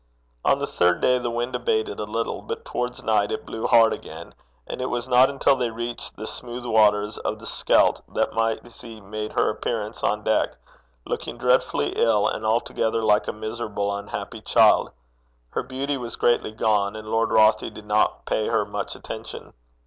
On the third day the wind abated a little; but towards night it blew hard again, and it was not until they reached the smooth waters of the Scheldt that Mysie made her appearance on deck, looking dreadfully ill, and altogether like a miserable, unhappy child. Her beauty was greatly gone, and Lord Rothie did not pay her much attention.